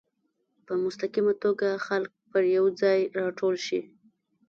په مستقیمه توګه خلک پر یو ځای راټول شي.